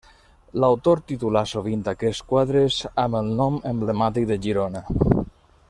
L'autor titulà sovint aquests quadres amb el nom emblemàtic de Girona.